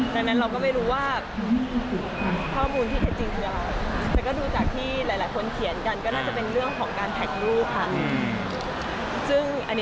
ดังนั้นเราก็ไม่รู้ว่าข้อมูลที่เขียนจริงคืออะไร